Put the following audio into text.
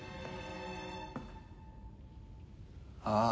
ああ。